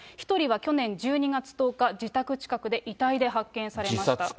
１人は去年１２月１０日、自宅近くで遺体で発見されました。